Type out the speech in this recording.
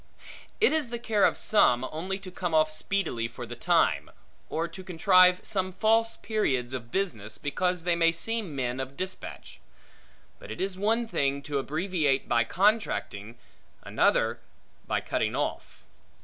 It is the care of some, only to come off speedily for the time; or to contrive some false periods of business, because they may seem men of dispatch. But it is one thing, to abbreviate by contracting, another by cutting off.